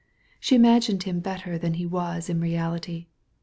She had imagined him better than he was in reality.